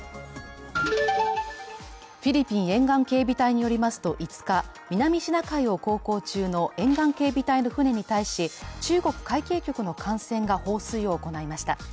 フィリピン沿岸警備隊によりますと５日、南シナ海を航行中の沿岸警備隊の船に対し、中国海警局の艦船が放水を行いました。